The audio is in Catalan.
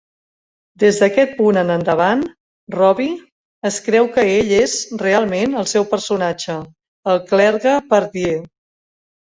Des d'aquest punt en endavant, Robbie es creu que ell és realment el seu personatge, el clergue Pardieu.